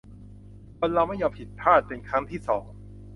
คนเราไม่ยอมผิดพลาดเป็นครั้งที่สอง